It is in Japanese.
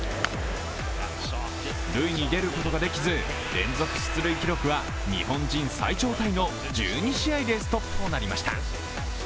塁に出ることができず、連続出塁記録は日本人最長タイの１２試合でストップとなりました。